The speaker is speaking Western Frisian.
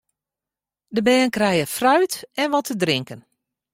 De bern krije fruit en wat te drinken.